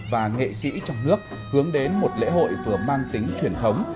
và nghệ sĩ trong nước hướng đến một lễ hội vừa mang tính truyền thống